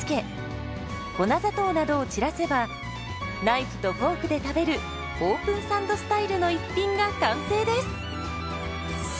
ナイフとフォークで食べるオープンサンドスタイルの一品が完成です。